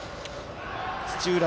土浦